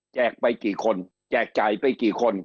ไปกี่คนแจกจ่ายไปกี่คน